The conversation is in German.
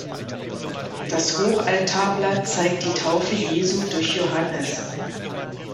Das Hochaltarblatt zeigt die Taufe Jesu durch Johannes.